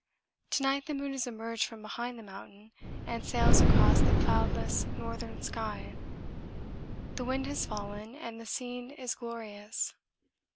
To night the moon has emerged from behind the mountain and sails across the cloudless northern sky; the wind has fallen and the scene is glorious.